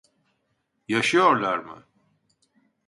Yaşıyorlar mı?